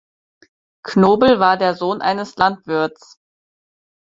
Knobel war der Sohn eines Landwirts.